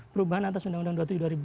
perubahan atas undang undang dua ribu tujuh